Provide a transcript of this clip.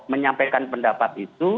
menyampaikan pendapat itu